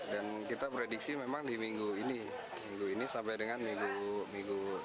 dan kita prediksi memang di minggu ini minggu ini sampai dengan minggu depan